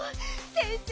先生